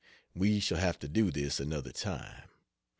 We shall have to do this another time.